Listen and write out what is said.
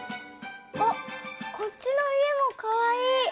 あっこっちの家もかわいい！